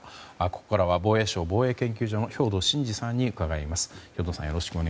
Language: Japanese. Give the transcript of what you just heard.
ここからは防衛省防衛研究所の兵頭慎治さんに伺います。